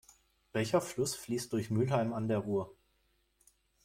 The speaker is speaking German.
Welcher Fluss fließt durch Mülheim an der Ruhr?